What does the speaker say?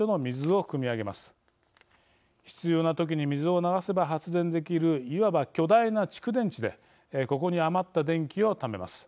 必要な時に水を流せば発電できるいわば巨大な蓄電池でここに余った電気をためます。